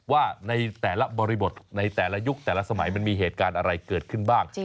ว่าในแต่ละบริบทในแต่ละยุคแต่ละสมัยมันมีเหตุการณ์อะไรเกิดขึ้นบ้าง